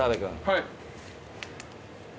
はい。